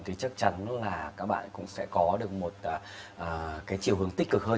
thì chắc chắn là các bạn cũng sẽ có được một cái chiều hướng tích cực hơn